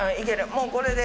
もうこれで。